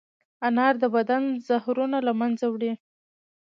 انار د بدن زهرونه له منځه وړي.